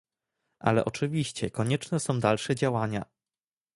Ale oczywiście konieczne są dalsze działania